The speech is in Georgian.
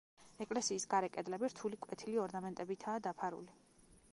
ეკლესიის გარე კედლები რთული კვეთილი ორნამენტებითაა დაფარული.